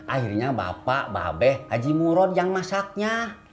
akhirnya bapak mbak abe haji muron yang masaknya